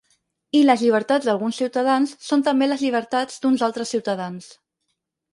I les llibertats d’alguns ciutadans són també les llibertats d’uns altres ciutadans.